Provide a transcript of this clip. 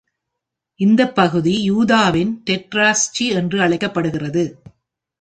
இந்த பகுதி யூதாவின் டெட்ரார்ச்சி என்று அழைக்கப்படுகிறது.